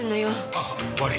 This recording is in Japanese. ああ悪ぃ。